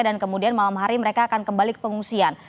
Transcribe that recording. dan kemudian malam hari mereka akan kembali ke pengungsian